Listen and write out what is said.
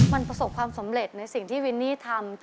มันประสบความสำเร็จในสิ่งที่วินนี่ทำ